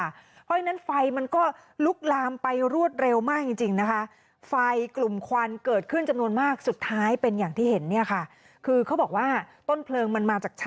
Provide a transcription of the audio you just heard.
เพราะฉะนั้นไฟมันก็ลุกลามไปรวดเร็วมากจริงนะคะ